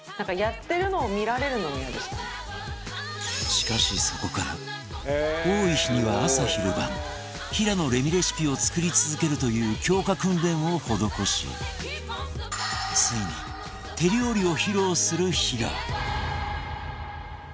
しかしそこから多い日には朝昼晩平野レミレシピを作り続けるという強化訓練を施しついに手料理を披露する日が！